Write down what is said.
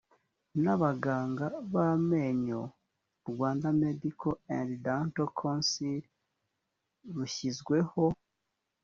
n abaganga b amenyo rwanda medical and dental council rushyizweho